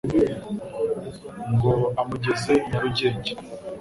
Ngo amugeze i Nyarugenge